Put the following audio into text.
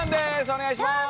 お願いします！